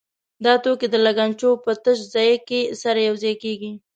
دا توکي د لګنچو په تش ځای کې سره یو ځای کېږي.